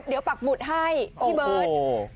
เดี๋ยวปักหมุดให้พี่เบิร์ต